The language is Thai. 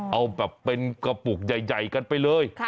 เอาแบบเป็นกระปุกใหญ่กันไปเลย